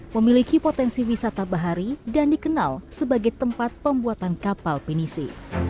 memiliki potensi wisata bahari dan dikenal sebagai tempat pembuatan kapal pinisi